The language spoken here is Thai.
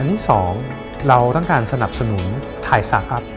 อันที่๒เราต้องการสนับสนุนถ่ายสาร์ฟอัพ